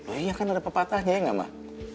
oh iya kan ada pepatahnya ya nggak mah